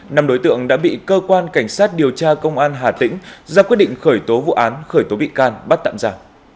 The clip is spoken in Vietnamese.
năm đối tượng đã bị cơ quan cảnh sát điều tra công an hà tĩnh ra quyết định khởi tố vụ án khởi tố bị can bắt tạm giả